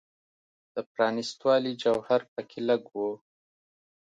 د پرانیستوالي جوهر په کې لږ و.